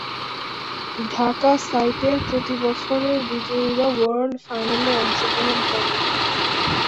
ঢাকা সাইটের প্রতি বছরের বিজয়ীরা ওয়ার্ল্ড ফাইনালে অংশগ্রহণ করে।